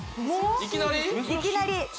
いきなり？